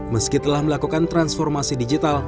meski telah melakukan transformasi digital